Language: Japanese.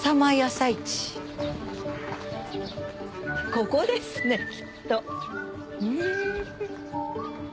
ここですねきっと。